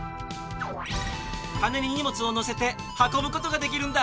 はねににもつをのせてはこぶことができるんだ。